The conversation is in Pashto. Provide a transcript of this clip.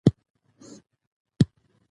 سیاسي مشران باید شفاف وي